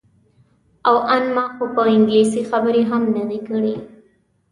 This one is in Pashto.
او ان ما خو په انګلیسي خبرې هم نه دي کړې.